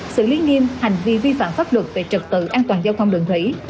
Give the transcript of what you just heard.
xử lý nghiêm hành vi vi phạm pháp luật về trật tự an toàn giao thông đường thủy